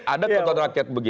ada tonton rakyat begitu